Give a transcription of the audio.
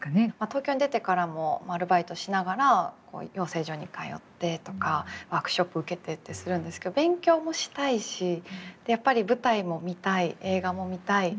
東京に出てからもアルバイトしながら養成所に通ってとかワークショップ受けてってするんですけど勉強もしたいしやっぱり舞台も見たい映画も見たい